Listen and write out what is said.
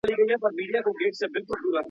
چا پوستين كړ له اوږو ورڅخه پورته